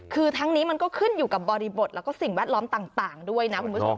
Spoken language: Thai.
คือทั้งนี้มันก็ขึ้นอยู่กับบริบทแล้วก็สิ่งแวดล้อมต่างด้วยนะคุณผู้ชม